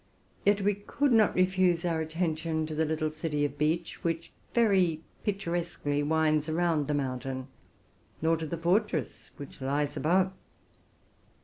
Yet we could not refuse our attention to the little city of Bitsch, which very picturesquely winds around the mountain; nor to the fortress, which lies above.